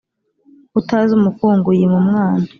Utazi umukungu yima umwana